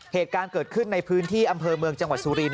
เหตุการณ์เกิดขึ้นในพื้นที่อำเภอเมืองจังหวัดสุรินท